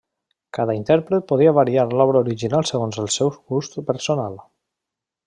Cada intèrpret podia variar l'obra original segons el seu gust personal.